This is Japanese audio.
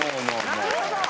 なるほど！